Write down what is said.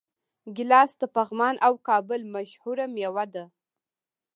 ګیلاس د پغمان او کابل مشهوره میوه ده.